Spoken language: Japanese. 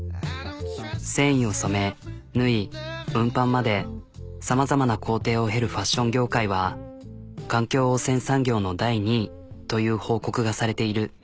繊維を染め縫い運搬までさまざまな工程を経るファッション業界は環境汚染産業の第２位という報告がされている。